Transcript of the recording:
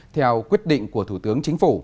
theo quyết định của thủ tướng chính phủ